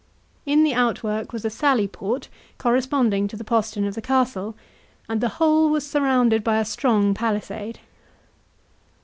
In the outwork was a sallyport corresponding to the postern of the castle, and the whole was surrounded by a strong palisade.